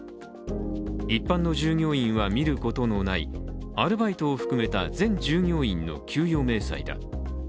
一般の従業員は見ることのない、アルバイトを含めた全従業員の給与明細だ。